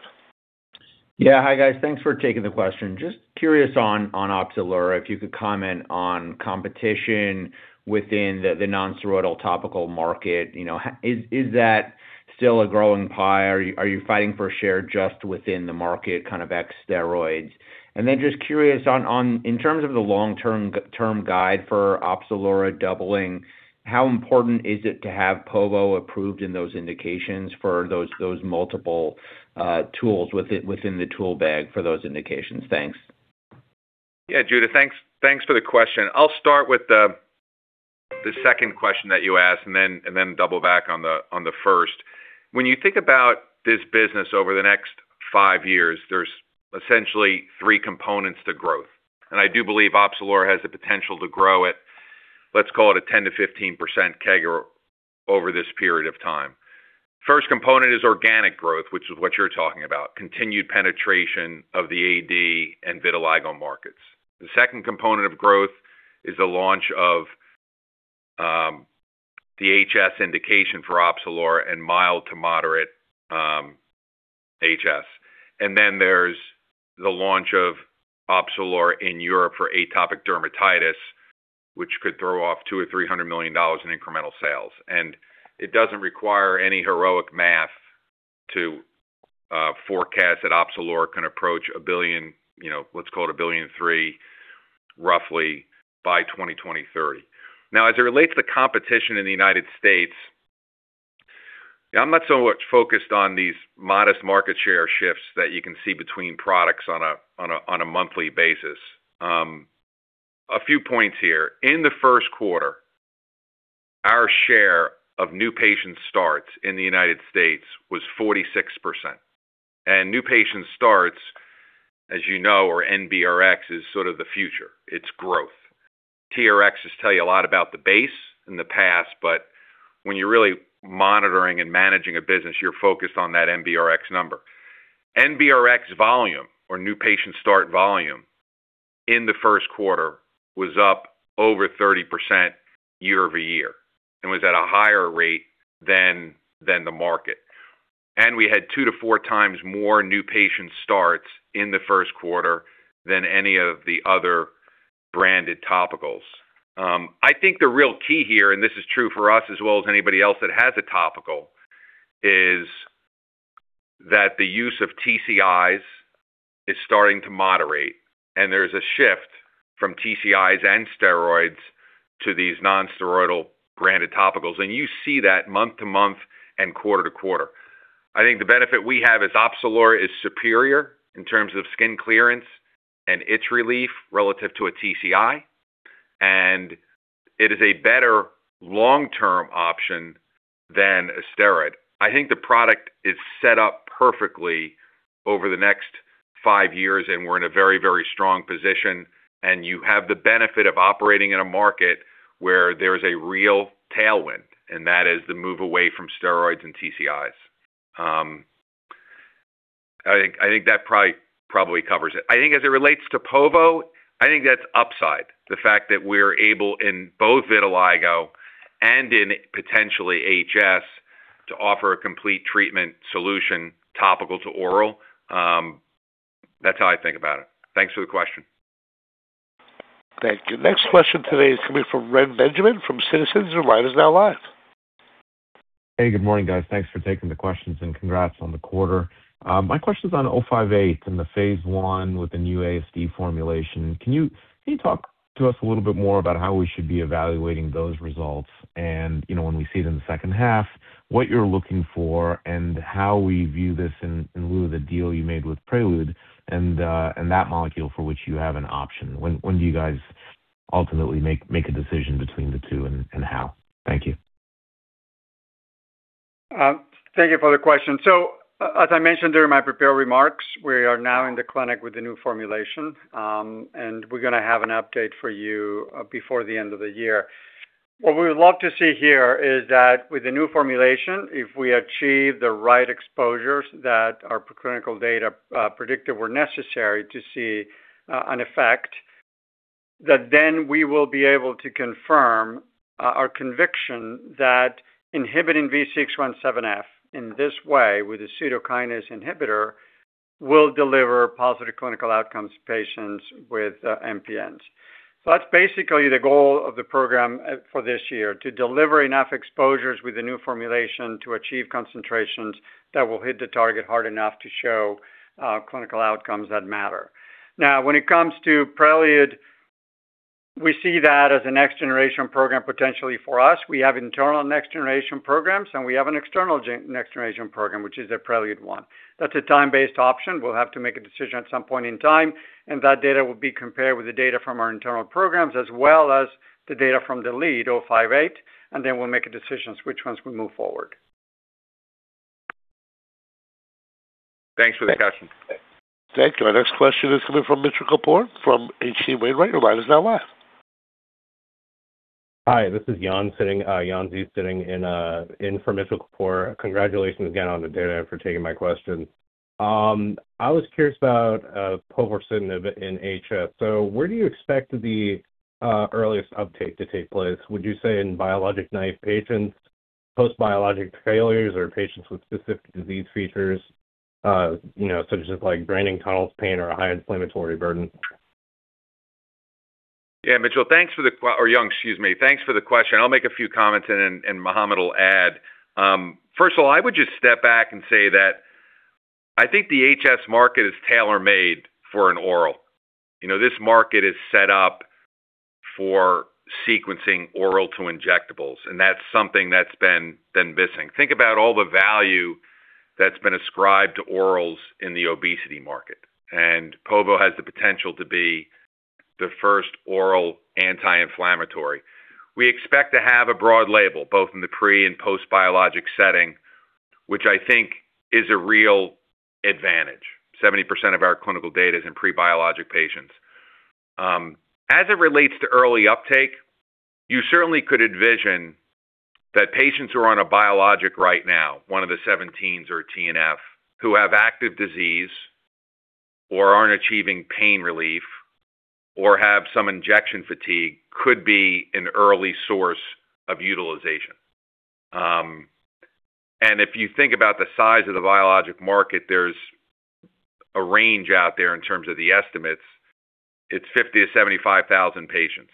Yeah. Hi, guys. Thanks for taking the question. Just curious on Opzelura, if you could comment on competition within the nonsteroidal topical market. You know, is that still a growing pie or are you fighting for a share just within the market, kind of ex-steroids? Just curious on in terms of the long-term guide for Opzelura doubling, how important is it to have povorcitinib approved in those indications for those multiple tools within the tool bag for those indications? Thanks. Yeah, Judah, thanks for the question. I'll start with the second question that you asked and then double back on the first. When you think about this business over the next five years, there's essentially three components to growth. I do believe Opzelura has the potential to grow at, let's call it a 10%-15% CAGR over this period of time. First component is organic growth, which is what you're talking about, continued penetration of the AD and vitiligo markets. The second component of growth is the launch of the HS indication for Opzelura and mild to moderate HS. Then there's the launch of Opzelura in Europe for atopic dermatitis, which could throw off $200 million-$300 million in incremental sales. It doesn't require any heroic math to forecast that Opzelura can approach $1 billion, you know, let's call it $1.3 billion roughly by 2030. As it relates to competition in the U.S., I'm not so much focused on these modest market share shifts that you can see between products on a monthly basis. A few points here. In the Q1, our share of new patient starts in the U.S. was 46%. New patient starts, as you know, or NBRX, is sort of the future. It's growth. TRX tell you a lot about the base in the past, but when you're really monitoring and managing a business, you're focused on that NBRX number. NBRX volume or new patient start volume in the Q1 was up over 30% year-over-year and was at a higher rate than the market. We had 2x to 4x times more new patient starts in the Q1 than any of the other branded topicals. I think the real key here, and this is true for us as well as anybody else that has a topical, is that the use of TCIs is starting to moderate, and there's a shift from TCIs and steroids to these nonsteroidal branded topicals. You see that month-to-month and quarter-to-quarter. I think the benefit we have is Opzelura is superior in terms of skin clearance and itch relief relative to a TCI, and it is a better long-term option than a steroid. I think the product is set up perfectly over the next five years, we're in a very strong position. You have the benefit of operating in a market where there's a real tailwind, and that is the move away from steroids and TCIs. I think that probably covers it. I think as it relates to povorcitinib, I think that's upside. The fact that we're able in both vitiligo and in potentially HS to offer a complete treatment solution, topical to oral, that's how I think about it. Thanks for the question. Thank you. Next question today is coming from Ren Benjamin from Citizens, your line is now live. Hey, good morning, guys. Thanks for taking the questions and congrats on the quarter. My question is on INCB160058 and the phase I with the new ASD formulation. Can you talk to us a little bit more about how we should be evaluating those results and, you know, when we see it in the second half, what you're looking for and how we view this in lieu of the deal you made with Prelude and that molecule for which you have an option? When do you guys ultimately make a decision between the two and how? Thank you. Thank you for the question. As I mentioned during my prepared remarks, we are now in the clinic with the new formulation, and we're gonna have an update for you before the end of the year. What we would love to see here is that with the new formulation, if we achieve the right exposures that our preclinical data predicted were necessary to see an effect, that then we will be able to confirm our conviction that inhibiting V617F in this way with a pseudo-kinase inhibitor will deliver positive clinical outcomes to patients with MPNs. That's basically the goal of the program for this year, to deliver enough exposures with the new formulation to achieve concentrations that will hit the target hard enough to show clinical outcomes that matter. When it comes to Prelude, we see that as a next-generation program potentially for us. We have internal next-generation programs, and we have an external next-generation program, which is a Prelude one. That's a time-based option. We'll have to make a decision at some point in time, and that data will be compared with the data from our internal programs as well as the data from the lead INCB160058, and then we'll make a decision as which ones we move forward. Thanks for the question. Thank you. Our next question is coming from Mitchell Kapoor from H.C. Wainwright. Your line is now live. Hi, this is Yan Zhang sitting in for Mitchell Kapoor. Congratulations again on the data, and for taking my question. I was curious about povorcitinib in HS. Where do you expect the earliest uptake to take place? Would you say in biologic-naive patients, post-biologic failures, or patients with specific disease features, you know, such as like draining tunnels pain or a high inflammatory burden? Yeah. Mitchell, thanks for the or Yan, excuse me. Thanks for the question. I'll make a few comments and Mohamed will add. First of all, I would just step back and say that I think the HS market is tailor-made for an oral. You know, this market is set up for sequencing oral to injectables, and that's something that's been missing. Think about all the value that's been ascribed to orals in the obesity market, and povorcitinib has the potential to be the first oral anti-inflammatory. We expect to have a broad label, both in the pre and post-biologic setting, which I think is a real advantage. 70% of our clinical data is in pre-biologic patients. As it relates to early uptake, you certainly could envision that patients who are on a biologic right now, one of the seventeen or TNF, who have active disease or aren't achieving pain relief or have some injection fatigue, could be an early source of utilization. And if you think about the size of the biologic market, there's a range out there in terms of the estimates. It's 50,000-75,000 patients.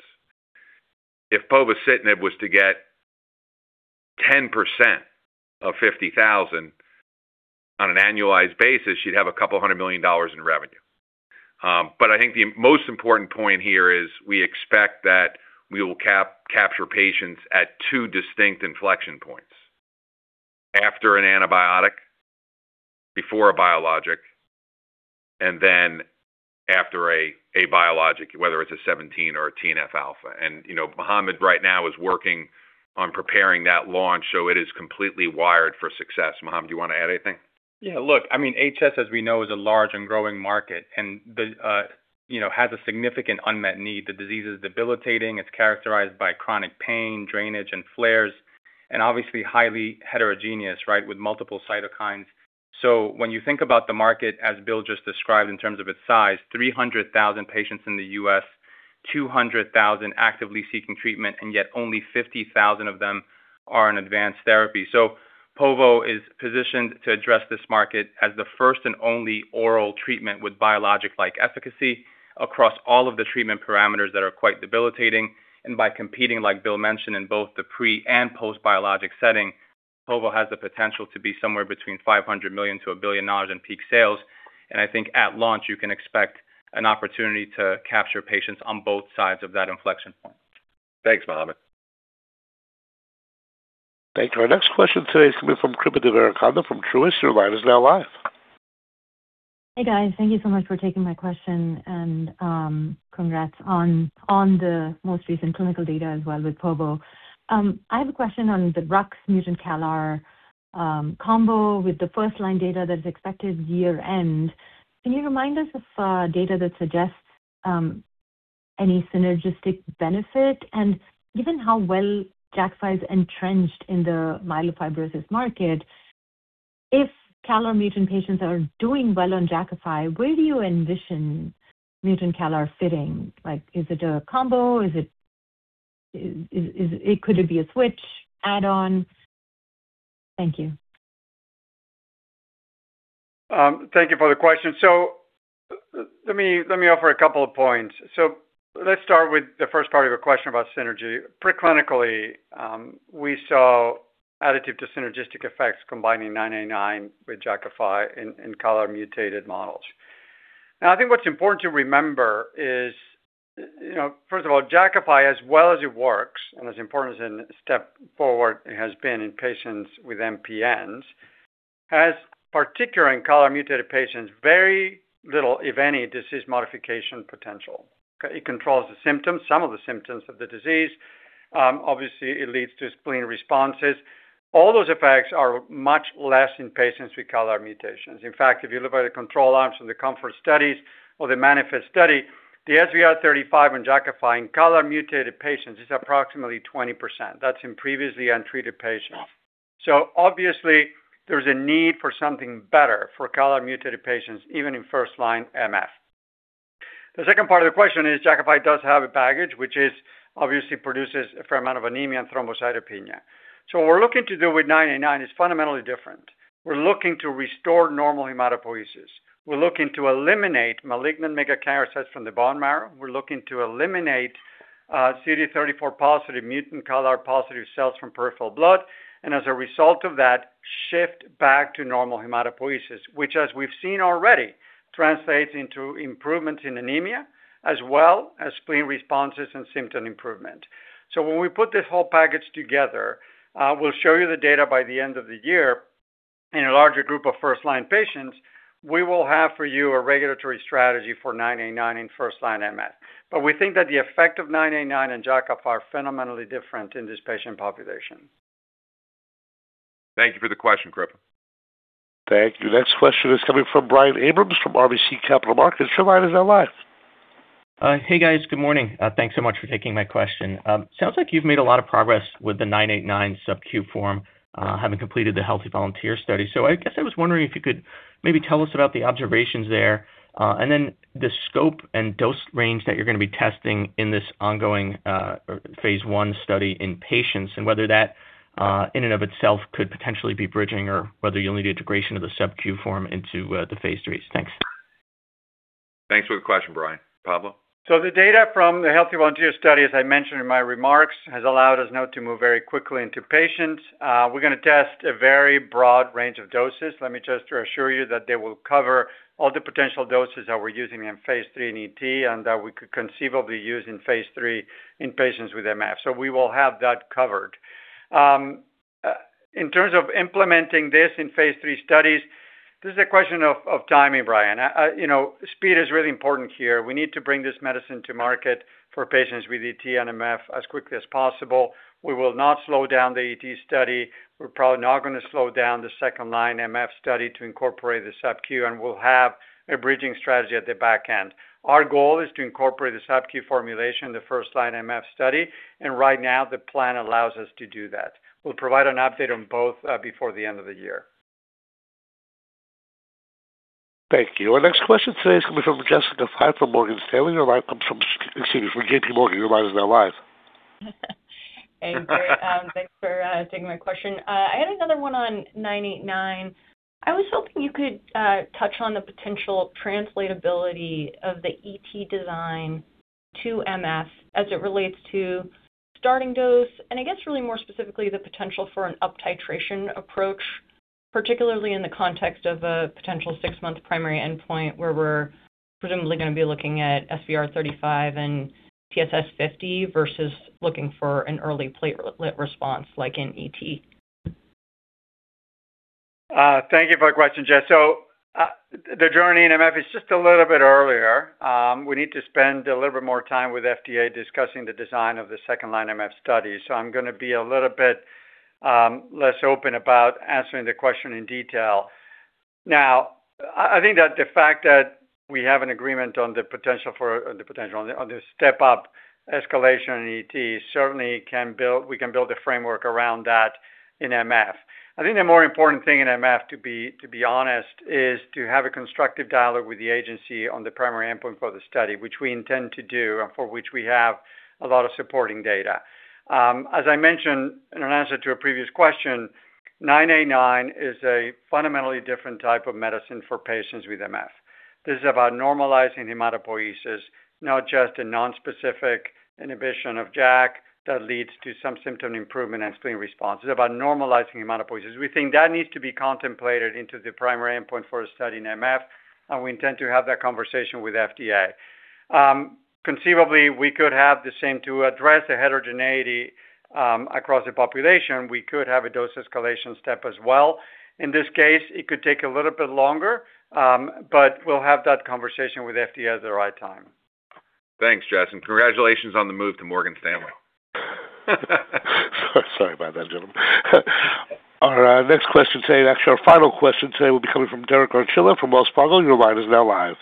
If povorcitinib was to get 10% of 50,000 on an annualized basis, you'd have $200 million in revenue. But I think the most important point here is we expect that we will capture patients at two distinct inflection points. After an antibiotic, before a biologic, and then after a biologic, whether it's a JAK2V617F or a TNF alpha. You know, Mohamed right now is working on preparing that launch, so it is completely wired for success. Mohamed, do you want to add anything? Look, I mean, HS, as we know, is a large and growing market and has a significant unmet need. The disease is debilitating. It's characterized by chronic pain, drainage, and flares, obviously highly heterogeneous, right, with multiple cytokines. When you think about the market, as Bill just described, in terms of its size, 300,000 patients in the U.S., 200,000 actively seeking treatment, yet only 50,000 of them are in advanced therapy. Povo is positioned to address this market as the first and only oral treatment with biologic-like efficacy across all of the treatment parameters that are quite debilitating. By competing, like Bill mentioned, in both the pre and post-biologic setting, povo has the potential to be somewhere between $500 million-$1 billion in peak sales. I think at launch, you can expect an opportunity to capture patients on both sides of that inflection point. Thanks, Mohamed. Thank you. Our next question today is coming from Kripa Devarakonda from Truist. Your line is now live. Hey, guys. Thank you so much for taking my question and congrats on the most recent clinical data as well with povorcitinib. I have a question on the Ruxolitinib-mutant CALR combo with the first-line data that is expected year-end. Can you remind us of data that suggests any synergistic benefit? Given how well Jakafi's entrenched in the myelofibrosis market, if CALR mutant patients are doing well on Jakafi, where do you envision mutant CALR fitting? Like, is it a combo? Could it be a switch, add-on? Thank you. Thank you for the question. Let me offer a couple of points. Let's start with the first part of your question about synergy. Pre-clinically, we saw additive to synergistic effects combining INCA033989 with Jakafi in CALR mutated models. I think what's important to remember is, you know, first of all, Jakafi, as well as it works, and as important as a step forward has been in patients with MPNs, has particularly in CALR mutated patients, very little, if any, disease modification potential. It controls the symptoms, some of the symptoms of the disease. Obviously it leads to spleen responses. All those effects are much less in patients with CALR mutations. In fact, if you look at the control arms from the COMFORT studies or the MANIFEST study, the SVR35 in Jakafi in CALR mutated patients is approximately 20%. That's in previously untreated patients. Obviously there's a need for something better for CALR mutated patients, even in first line MF. The second part of the question is, Jakafi does have a baggage, which is obviously produces a fair amount of anemia and thrombocytopenia. What we're looking to do with INCA033989 is fundamentally different. We're looking to restore normal hematopoiesis. We're looking to eliminate malignant megakaryocytes from the bone marrow. We're looking to eliminate CD34 positive mutant CALR positive cells from peripheral blood, and as a result of that, shift back to normal hematopoiesis, which as we've seen already, translates into improvements in anemia as well as spleen responses and symptom improvement. When we put this whole package together, we'll show you the data by the end of the year in a larger group of first-line patients. We will have for you a regulatory strategy for INCA033989 in first-line MF. We think that the effect of INCA033989 in Jakafi are phenomenally different in this patient population. Thank you for the question, Kripa. Thank you. Next question is coming from Brian Abrahams from RBC Capital Markets. Hey, guys. Good morning. Thanks so much for taking my question. Sounds like you've made a lot of progress with the INCA033989 SubQ form, having completed the healthy volunteer study. I guess I was wondering if you could maybe tell us about the observations there, and then the scope and dose range that you're gonna be testing in this ongoing phase I study in patients and whether that in and of itself could potentially be bridging or whether you'll need integration of the SubQ form into the phase III. Thanks. Thanks for the question, Brian. Pablo? The data from the healthy volunteer study, as I mentioned in my remarks, has allowed us now to move very quickly into patients. We're gonna test a very broad range of doses. Let me just reassure you that they will cover all the potential doses that we're using in phase III in ET and that we could conceivably use in phase III in patients with MF. We will have that covered. In terms of implementing this in phase III studies, this is a question of timing, Brian. You know, speed is really important here. We need to bring this medicine to market for patients with ET and MF as quickly as possible. We will not slow down the ET study. We're probably not gonna slow down the second line MF study to incorporate the subQ, and we'll have a bridging strategy at the back end. Our goal is to incorporate the subQ formulation in the first line MF study, and right now the plan allows us to do that. We'll provide an update on both before the end of the year. Thank you. Our next question today is coming from Jessica Fye from Morgan Stanley. Excuse me, from JPMorgan. Your line is now live. Hey, great. Thanks for taking my question. I had another one on 989. I was hoping you could touch on the potential translatability of the ET design to MF as it relates to starting dose and I guess really more specifically the potential for an up titration approach, particularly in the context of a potential six-month primary endpoint, where we're presumably gonna be looking at SVR35 and TSS50 versus looking for an early platelet response like in ET? Thank you for the question, Jess. The journey in MF is just a little bit earlier. We need to spend a little bit more time with FDA discussing the design of the second line MF study. I'm gonna be a little bit less open about answering the question in detail. Now, I think that the fact that we have an agreement on the potential for, the potential on the, on the step up escalation in ET certainly we can build a framework around that in MF. I think the more important thing in MF to be honest is to have a constructive dialogue with the agency on the primary endpoint for the study, which we intend to do and for which we have a lot of supporting data. As I mentioned in an answer to a previous question, INCA03398 is a fundamentally different type of medicine for patients with MF. This is about normalizing hematopoiesis, not just a non-specific inhibition of JAK that leads to some symptom improvement and spleen response. It's about normalizing hematopoiesis. We think that needs to be contemplated into the primary endpoint for a study in MF, and we intend to have that conversation with FDA. Conceivably, we could have the same to address the heterogeneity across the population. We could have a dose escalation step as well. In this case, it could take a little bit longer, but we'll have that conversation with FDA at the right time. Thanks, Jess, and congratulations on the move to Morgan Stanley. Sorry about that, gentlemen. Our next question today, and actually our final question today, will be coming from Derek Archila from Wells Fargo. Your line is now live.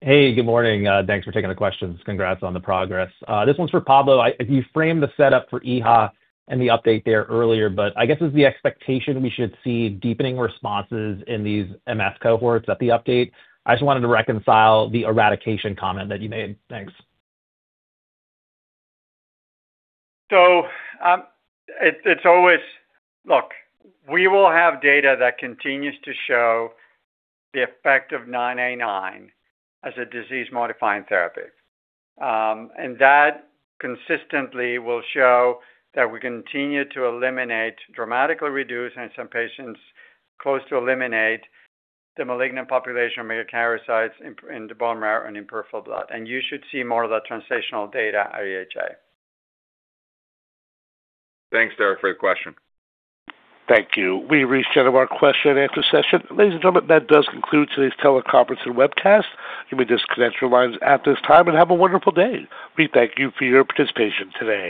Hey, good morning. Thanks for taking the questions. Congrats on the progress. This one's for Pablo. You framed the setup for EHA and the update there earlier, I guess is the expectation we should see deepening responses in these MF cohorts at the update? I just wanted to reconcile the eradication comment that you made. Thanks. Look, we will have data that continues to show the effect of INCA03398 as a disease-modifying therapy. That consistently will show that we continue to eliminate, dramatically reduce in some patients, close to eliminate the malignant population of megakaryocytes in the bone marrow and in peripheral blood. You should see more of that translational data at EHA. Thanks, Derek, for your question. Thank you. We've reached the end of our Q&A session. Ladies and gentlemen, that does conclude today's teleconference and webcast. You may disconnect your lines at this time, and have a wonderful day. We thank you for your participation today.